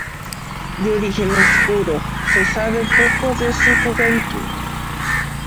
De origen oscuro, se sabe poco de su juventud.